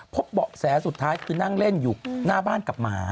เบาะแสสุดท้ายคือนั่งเล่นอยู่หน้าบ้านกับหมา